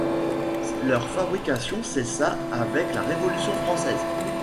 Leur fabrication cessa avec la Révolution française.